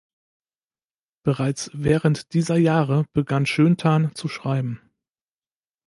Bereits während dieser Jahre begann Schönthan zu schreiben.